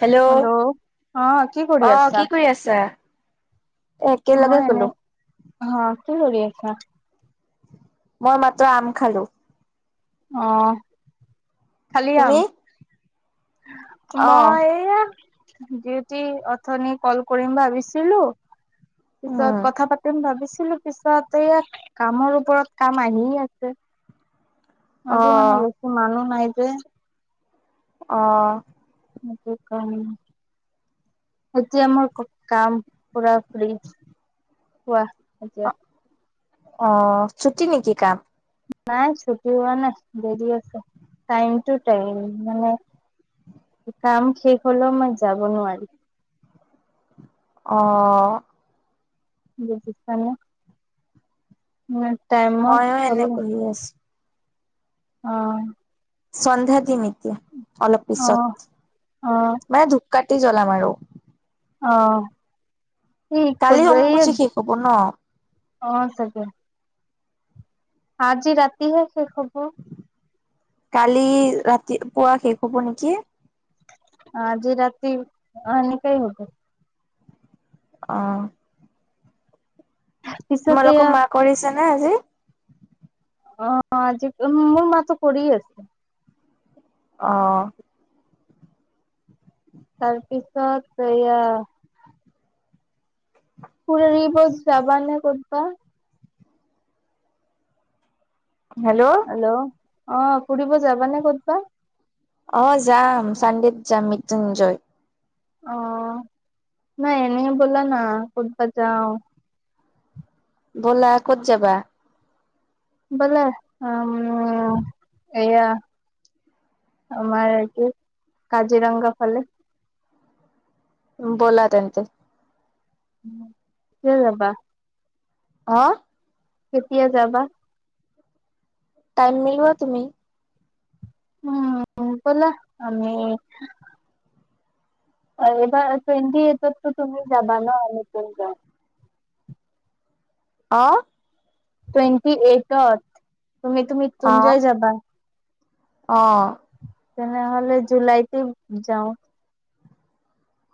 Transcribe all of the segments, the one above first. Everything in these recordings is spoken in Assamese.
হেল্ল' অ কি কৰি অ', আছা কি কৰি আছা? একেলগে মই এনে গ'লো। অ', কি কৰি আছা? মই মাত্ৰ আম খালোঁ। অ', খালি আম? তুমি? অহ মই এইয়া যিহটি অথনি ক'ল কৰিম ভাবিছিলো। পিছত উম কথা পাতিম ভাবিছ ছিলো পিছতে ইয়া কামৰ ওপৰত কাম আহিয়ে আছে। অ আজি মানে বেছি মানুহ নাই যে। অ'। সেটো কাৰণ এতিয়া মোৰ কাম পুৰা ফ্ৰী, কোৱা। এতিয়া। অ', চুটি নেকি কাম। নাই চুটি হোৱা নাই দেৰি আছে টাইম টো টাইম মানে কাম শেষ হ'লেও মই যাব নোৱাৰি। অ'। দেখিছানে? উম। টাইমত মইয়ো এনে [unintelligible] বহি আছো অ'। সন্ধ্যাতে নেকি অলপ পিছত অ', অ', মানে ধুপাকা তে জ্বলাম আৰু। অ', এইত কালি অম্বুবাচী এই শেষ হব ন অ', চাগে। আজি ৰাতিহে শেষ হ'ব। কালি ৰাতি পুৱা শেষ হ'ব নেকি? আজি ৰাতি এনেকাই হ'ব। অ'। পিছত এয়া তোমালোকৰ মা কৰিছে নে আজি? অ', আজি মোৰ মাতো কৰি আছ অহ। তাৰপিছত এয়া ফুৰৰিব যাবা নে ক'তবা? হেল্ল'। অ', ফুৰিব যাবানে ক'তবা? অ', যাম, চানডেত যাম মৃত্যুঞ্জয়। অ', নাই এনে ব'ল না কুতবা যাওঁ। ব'লা, ক'ত যাবা? ব'লা আম, এয়া আমাৰ কি কাজিৰঙগা ফালে। নো ব'লা তেন্তে। কিয় যাবা? অ'। কেতিয়া যাবা? টাইম মিলোৱা তুমি। উম, ব'লা আমি আহিবা টুৱেন্টি এইটতো তুমি যাবা ন' মৃত্যুঞ্জয়। অ'। টুৱেণ্টি এইটত তুমিটো অ মৃত্যুঞ্জয় যাবা। অ'। তেনেহ'লে জুলাইতে যাওঁ।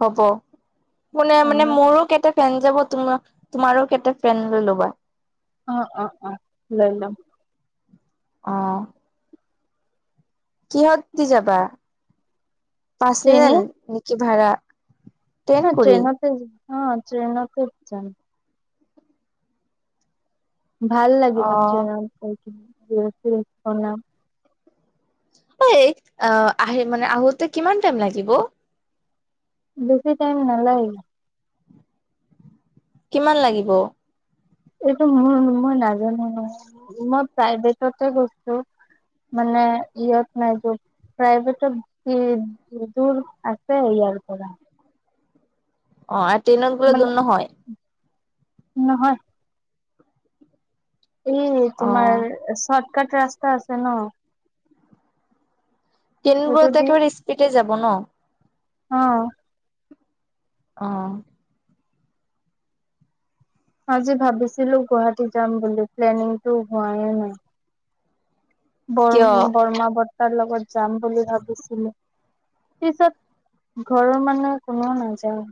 হ'ব কোনে অ মানে মোৰো কেটাত ফেন যাব তোমাৰ তোমাৰো কেইটা পেন লৈ ল'বা। অ', অ', অ', লম। অ', কিহত দি যাবা পাৰ্চনেল নেকি ভাড়া? ট্ৰেইন এ কৰি ট্ৰেইনতে অ, ট্ৰেইনতে যাম। ভাল অ লাগিব ট্ৰেইনত গৈ কিনে ৰীলচ চিলচ বনাম। অ, এ অ, আহি মানে আহোতে কিমান টাইম লাগিব? বছি টাইম নালাগে। কিমান লাগিব? এইটো মোৰ মই নাজানো নহয় মই প্ৰাইভেটততে গৈছো মানে ইয়ত নাই [unintelligible] প্ৰাইভেটত কি দূৰ আছে ইয়া ইয়াৰ পৰা। অ, আৰ ট্ৰেইনত গ'লে মানে দূৰ নহয়? নহয়। এই অ তোমাৰ চৰ্টকাট ৰাস্তা আছে ন'। এইটো ট্ৰেইনবোৰত দি একেবাৰে স্পিডে যাব ন'। অ', অ', আজি ভাবিছিলোঁ গুৱাহাটী যাম বুলি প্লেনিংটো হোৱাই নাই কিয় বৰম বৰ্মা-বৰ্তাৰ লগত যাম বুলি ভাবিছিলোঁ পিছত ঘৰৰ মানুহে কোনো নাযায়।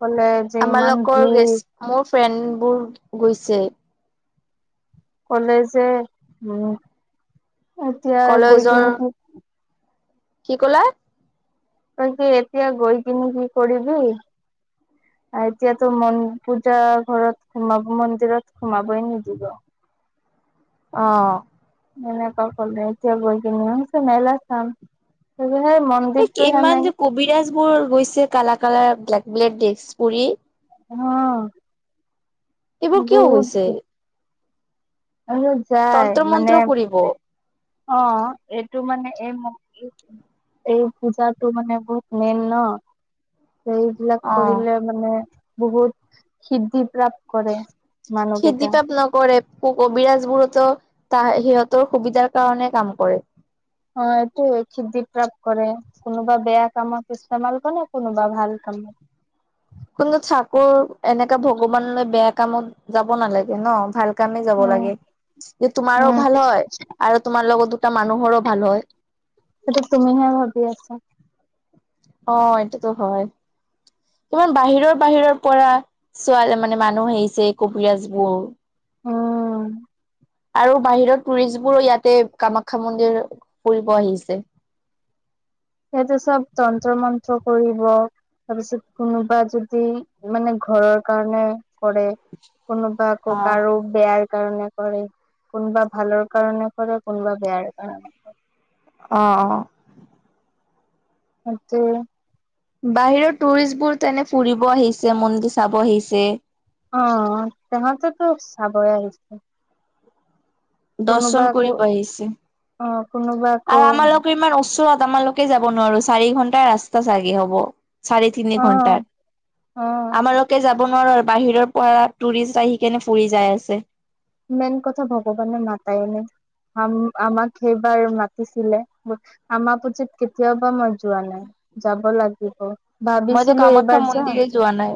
ক'লে যে ইমান ভিৰ ট্ৰেনবোৰ গৈছে। ক'লে যে, উম, এতিয়া গৈ কলেজৰ কিনেটো কি ক'লা? তই কি এতিয়া গৈ কিনি কি কৰিবি? আৰু এতিয়াতো [unintelligible] পূজা ঘৰত সোমাব মন্দিৰত, সোমাবই নিদিব। অ', এনেকে ক'লে এতিয়া গৈ কিনে, মই কৈছো মেলা চাম। সেই এই মন্দিৰটোহে কিমান যে মেইন কবিৰাজ বোৰ গৈছে কালা, কালা, ব্লেক, ব্লেক ড্ৰেছ পৰি। অ', এইবোৰ কিয় গৈছে? অ', যায় তন্ত্ৰ মানে মন্ত্ৰ কৰিব। অ', এইটো মানে এই [unintelligible] এই পূজাটো মানে বহুত মেইন ন'। এইবিলাক অ'। কৰিলে মানে, বহুত সিদ্ধি প্ৰাপ্ত কৰে। মানুহ সিদ্ধি কেইটা পাপ নকৰে। ক-কবিৰাজ বোৰতো, তা-সিহঁতৰ সুবিধাৰ কাৰণে কাম কৰে। অ', এইটোৱে খিদ্ধি প্ৰাপ্ত কৰে, কোনোবা বেয়া কামত ইস্তেমাল কৰে কোনবা ভাল কামত। [inaudible] কিন্তু ঠাকুৰ এনেকা ভগৱানলৈ বেয়া কামত, যাব নালাগে ন' ভাল কাৰণে যাব উম লাগে, যে তোমাৰো উম ভাল হয়, আৰু তোমাৰ লগতো দু টা মানুহৰো ভাল হয়। সেইটো তুমিহে ভাবি আছা অ', এইটোটো হয়। ইমান বাহিৰৰ বাহিৰৰ পৰা ছোৱা মানে মানুহ আহিছে কবিৰাজবোৰ। উম, আৰু বাহিৰৰ টুৰিষ্টবোৰো ইয়াতে কামাখ্যা মন্দিৰ, ফুৰিব আহিছে। [inaudible] সিহঁতে চব তন্ত্ৰ মন্ত্ৰ কৰিব, তাৰপিছত কোনোবা যদি মানে ঘৰৰ কাৰণে কৰে কোনোবা ক অ'। কাৰো বেয়াৰ কাৰণে কৰে। কোনোবা ভালৰ কাৰণে কৰে। কোনোবা বেয়াৰ কাৰণে কৰে। অ অ। ইয়াতে বাহিৰৰ টুৰিষ্টবোৰ তেনে ফুৰিব আহিছে, মন্দিৰ চাব আহিছে। অ সিহঁতেতো চাবই আহিছে। দৰ্শন কোনোবা কৰি আকৌ আহিছে অ কোনোবা আও আকৌ আমালোকৰ ইমান ওচৰত তমালোকে যাব নোৱাৰো চাৰি ঘন্টা ৰাস্তা চাগে হ'ব। চাৰে থিনি অ ঘণ্টাত অ আমাৰলকে যাব যাব নোৱাৰো বাহিৰৰ পৰা টুৰিষ্ট আহি কেনে ফুৰি যাই আছে। মেইন কথা ভগৱানে মাতাই নাই। আমাক সেইবাৰ মাতিছিলে আমাৰ পুথিত কেতিয়াওাবা মই যোৱা নাই। যাব লাগিব। মইতো ভাবিছিলো কামাখ্যা এইবাৰ যাম মন্দিৰে যোৱা নাই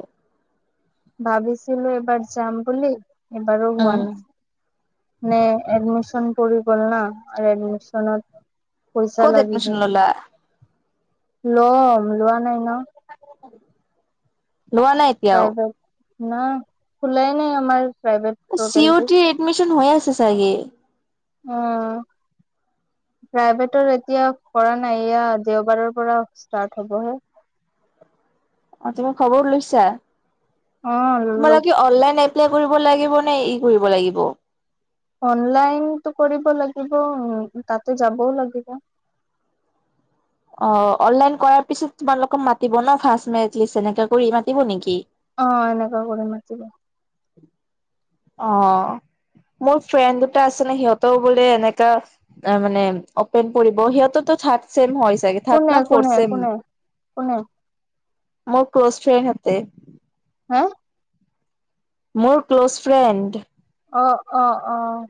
ভাবিছিলো এইবাৰ যাম বুলি এবাৰো উম, হোৱা নাই। নে এডমিছন পৰি গ'ল ন আৰু এডমিশনত পইচা ক'ত লাগিব এডমিশ্যন ললা? লম লোৱা নাই ন। লোৱা নাই এতিয়াও? ন খুলাই নাই আমাৰ। প্ৰাইভেট এ চি পৰ্টেলটো টিৰ এডমিশন হৈ আছে চাগে। উম, প্ৰাইভেটত এতিয়া কৰা নাই এয়া দেওবাৰৰ পৰা ষ্টাৰ্ট হ'বহে। [inaudible] অ তুমি খবৰ লৈছা? তোমাল অ অনল কৰিব লাগিব নে ই কৰিব লাগিব। অনলাইনতটো কৰিব লাগিব উম, তাতে যাবও লাগিব। [inaudible] অ, অনলাইন কৰাৰ পিছত তোমালোকক মাতিব ন ফাৰ মিষ্ট এনেকা কৰি মাতিব নেকি অ, এনেকা কৰি মাতিব। অ', মোৰ ফ্ৰেণ্ড এটা আছে নহয় সিহঁতৰ বোলে এনেকা অ, মানে অপেন পঢ়িব সিহঁতে তেওঁ থাৰ্ড চেম হৈ চাগে থাৰ্ড কোনে না ফৰ্থ কোনে চেম? কোনে কোনে মোৰ ক্ল'জ ফ্ৰেণ্ড হেতে। হাহ? মোৰ ক্ল'জ ফ্ৰেণ্ড। অ', অ', অ',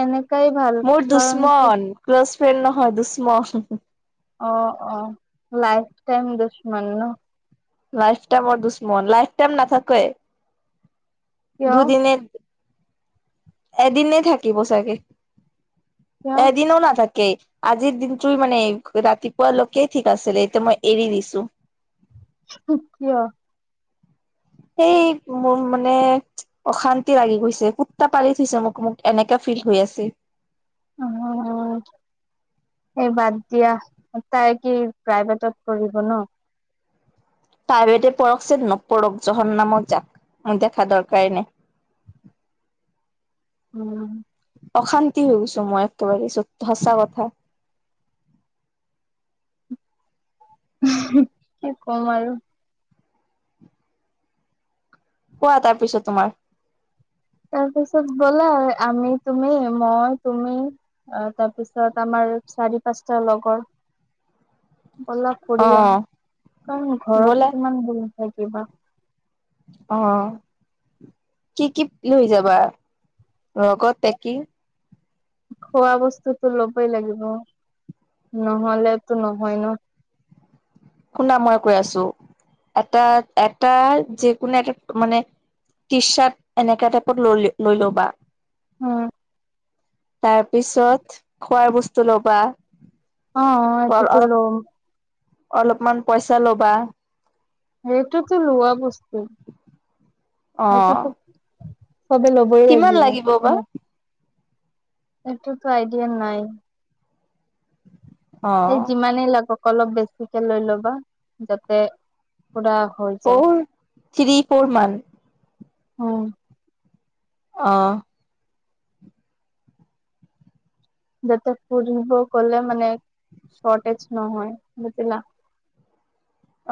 এনে মোৰ দুশ্মন ক্ল'জ ফ্ৰেণ্ড নহয় দুশ্মন। অ', অ', লাইফ টাইম দু-দুশ্মন ন? লাইফ টাইমৰ দুশ্মন লাইফ টাইম নাথাকোৱে কিয় দুদিন এদিননে থাকি বচাকে কিয় এদিনও নাথাক কে আজিৰ দিনটো মানে ৰাতিপুৱা লৈকে ঠিক আছিলে এতিয়া মই এৰি দিছো। হহ, কিয়? সেই মোৰ মানে অশান্তি লাগি গৈছে কুতটা পালি থৈছে মোক মোক এনেকে কা ফিল হৈ আছে। অ', এহ, বাদ দিয়া তাই কি প্ৰাইভেটত কৰিবিব ন। তাই বেদে পৰকচ নপৰক জহৰ নামত যাক দেখা দৰকাৰ নাই। [inaudible] উম। অশান্তি হৈ গৈছো মই একেবাৰেত সঁচা কথা। কি কম আৰু কোৱা তাৰ পিছত তোমাৰ তাৰপিছত ব'লা আমি তুমি মই তুমি তাৰপিছত আমাৰ চাৰি পাঁচটা লগৰ বলা অ ফুৰি আহোঁ কাৰণ ঘৰত ব'লা কিমান বহি থাকিবা। আহ কি কি লৈ যাবা লগত টেকি? খোৱা বস্তুটো ল'বই লাগিব। নহ'লেটো নহয় ন'। শুনা মই কৈ আছোঁ, এটা এটা যি কোনো এটা মানে টি চাৰ্ট এনেকা টাইপত লৈ লৈ ল'বা। অ'। তাৰপিছত খোৱাৰ বস্তু ল'বা। অ', অ', এইটো অলপ তোলো। অলপমান পইচা ল'বা। এইটোতো লোৱা বস্তু, অ এইটোতো সবু ল'বই কিমান লাগিব ন'। বা এইটোতো আইডিয়া নাই। অ সেই যিমানেই লাগক অলপ বেছিকে লৈ ল'বা যাতে পুৰা হৈ যায়, ফ'ৰ থ্ৰী ফ'ৰ মান উম। অ'। যাতে ফূৰিব গ'লে মানে শৰ্টেজ নহয় বুজিলা। [inaudible]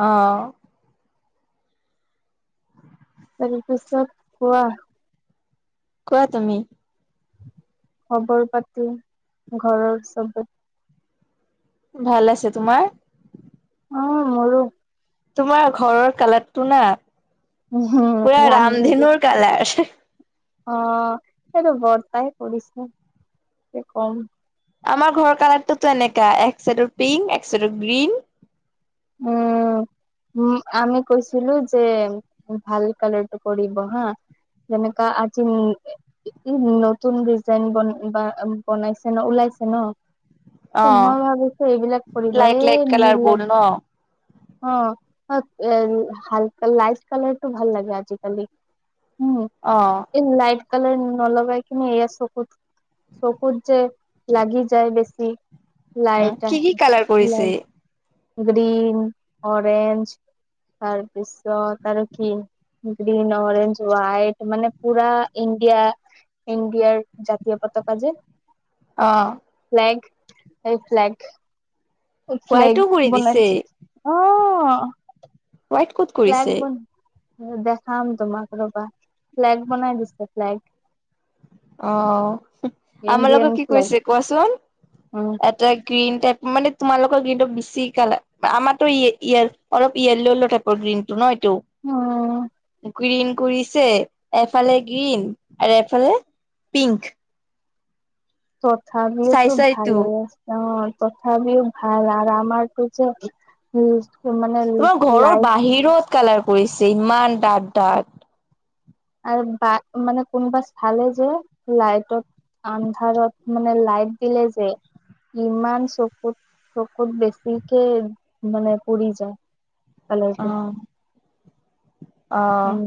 অহ। তাৰপিছত কোৱা। কোৱা তুমি। খবৰ পাতি ঘৰৰ চবে ভাল আছে, তোমাৰ? অ', [unintelligible] তোমাৰ ঘৰৰ কালাৰটো না পুৰা ৰান্ধি মেলি ৰামধেনুৰ কালাৰ। অ, এইটো বৰ্তাই কৰিছে কি কম। আমাৰ ঘৰৰ কালাৰ তটো এনেকা এক চাইডৰ পিংক এক চাইডৰ গ্ৰীণ। উম, উম, আমি কৈছিলো যে ভাল কালাৰটো কৰিবিব হা যেনেকা আজি নতুন ডিজাইনন বনাইছে ন ওলাই ন অ মই ভাবিছো এইবিলাক কৰিব লাইট লাইট এই কালাৰ নিলা বোৰ ন [inaudible] অ, তাত হাল লাইট কালাৰটো ভাল লাগে আজিকালি। উম, অ এই লাইট কলাৰ ন নলগাই কিনে এইয়াৰ চকুত-চকুত যে লাগি যায় বেছি। লাইট কি কি আহ কালাৰ ল কৰিছে গ্ৰীন অৰেঞ্জ তাৰপিছত তাৰ কি? গ্ৰীন অৰেঞ্জ ৱাইট মানে পুৰা ইণ্ডিয়া ইণ্ডিয়াৰ জাতীয় পতাক যে অ', ফ এই ফ্লেগ হোৱাইটো কৰি বনাই দিছে অ, অ'। হোৱাইট ক'ত কৰিছে? দেখাম তোমাক ৰ'বা ফ্লেগ বনাই দিছে, ফ্লেগ। অ', আমাৰ লগত ইণ্ডিয়ান কি ফ্লেগ কৰিছে কোৱাচোন, উম এটা গ্ৰীণ টাইপ মানে তোমালোকৰ গ্ৰীণটো বেছি কালাৰ আমাৰটো ইয়-ইয় অলপ ইয়াল' টাইপৰ গ্ৰীণটো ন'। টো উম গ্ৰীণ কৰিছে এফালে গ্ৰীণ আৰু এফালে পিংক। চাই তথাপিওটো চাইটো ভালে আছে, অ'। তথাপিও ভাল আৰু আমাৰটো যে, উম। তোমাৰ ঘৰৰ বাহিৰত কালাৰ পৰিছে ইমান ডাঠ, ডাঠ। আৰু বা মানে কোনোবা চালে যে লাইটত আন্ধাৰত মানে লাইট দিলে যে। ইমান চকুত চকুত বেছিকে মানে পৰি যায়। অ ভালেটো। অ'।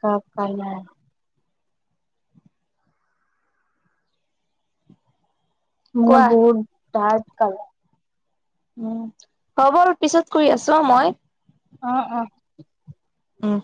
কাপ কা নাই। মোৰ কোৱা বহুত ডাৰ্ক কালাৰ। উম, হ'ব পিছত কৰি আছোঁ অ', মই। অ', অ'। উম।